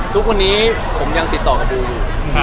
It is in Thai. ทุกวันนี้ผมยังติดต่อกับบูอยู่